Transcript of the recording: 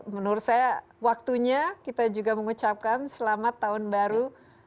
menurut saya waktunya kita juga mengucapkan selamat tahun baru dua ribu dua puluh satu